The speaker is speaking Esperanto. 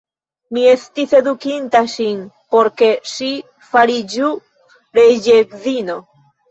Mi estis edukinta ŝin, por ke ŝi fariĝu reĝedzino.